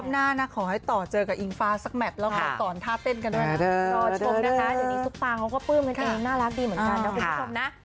น่ารักดีเหมือนกันนะครับ